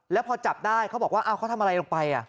แล้วพอจับได้เขาบอกว่าเขาทำอะไรลงไป